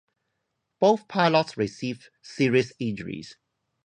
Both pilots received serious injuries.